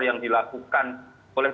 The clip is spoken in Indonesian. yang dilakukan oleh